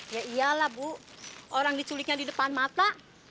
ya iyalah bu orang diculiknya di depan mata